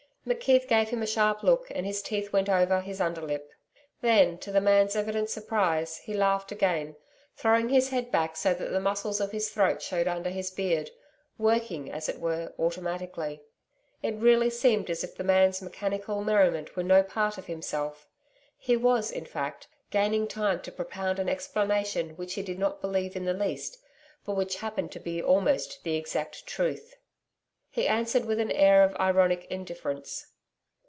McKeith gave him a sharp look, and his teeth went over his under lip. Then, to the man's evident surprise, he laughed again, throwing his head back so that the muscles of his throat showed under his beard, working, as it were, automatically. It really seemed as if the man's mechanical merriment were no part of himself. He was, in fact, gaining time to propound an explanation which he did not believe in the least, but which happened to be almost the exact truth. He answered with an air of ironic indifference.